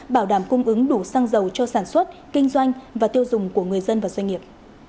bảo đảm cung ứng đủ xăng dầu cho sản xuất kinh doanh và tiêu dùng của người dân và doanh nghiệp